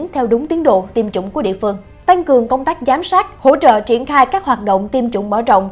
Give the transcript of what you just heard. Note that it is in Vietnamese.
theo đúng tiến độ tiêm chủng của địa phương tăng cường công tác giám sát hỗ trợ triển khai các hoạt động tiêm chủng mở rộng